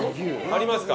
ありますか？